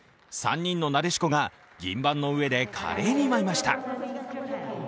３人のなでしこが銀盤の上で華麗に舞いました。